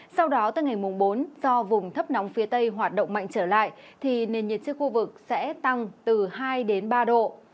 sau đó từ ngày mùng bốn do vùng thấp nóng phía tây hoạt động mạnh trở lại thì nền nhiệt trên khu vực sẽ tăng từ hai đến ba độ